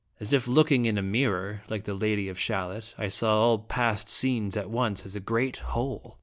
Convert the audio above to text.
As if looking in a mirror, like the Lady of Shalott, I saw all past scenes at once as a great whole.